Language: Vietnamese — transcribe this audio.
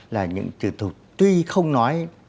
là những trường tư thuộc tuy không nói